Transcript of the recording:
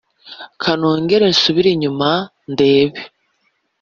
kanongere nsubire inyuma ndebe